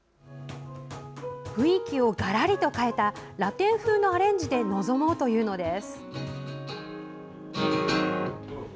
雰囲気をがらりと変えたラテン風のアレンジで臨もうというんです。